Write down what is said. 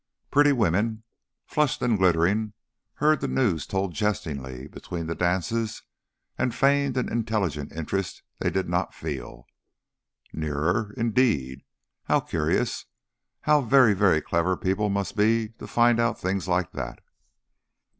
Pretty women, flushed and glittering, heard the news told jestingly between the dances, and feigned an intelligent interest they did not feel. "Nearer! Indeed. How curious! How very, very clever people must be to find out things like that!"